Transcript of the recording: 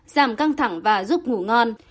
giảm căng thẳng và giúp ngủ ngon